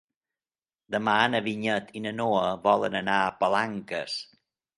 Demà na Vinyet i na Noa volen anar a Palanques.